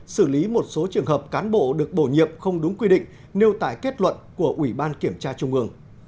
xử lý một số trường hợp cán bộ được bổ nhiệm không đúng quy định nêu tại kết luận của ủy ban kiểm tra trung ương